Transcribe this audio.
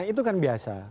itu kan biasa